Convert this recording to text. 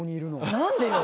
何でよ。